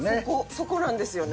そこなんですよね。